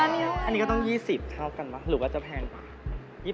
อันนี้ก็ต้อง๒๐เท่ากันป่ะหรือว่าจะแพงกว่า